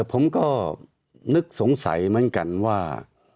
ผมก็นึกสงสัยเหมือนกันว่า